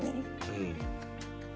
うん。